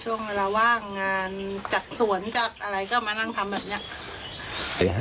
ช่วงเวลาว่างงานจัดสวนจัดอะไรก็มานั่งทำแบบนี้